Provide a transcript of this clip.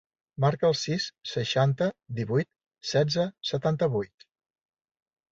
Marca el sis, seixanta, divuit, setze, setanta-vuit.